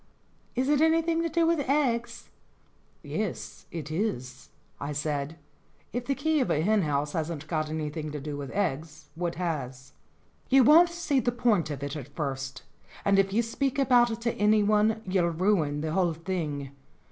"Is it anything to do with eggs ?" "Yes, it is," I said. If the key of a hen house hasn't got anything to do with eggs, what has ? "You won't see the point of it at first, and if you speak about it to anyone you'll ruin the whole thing.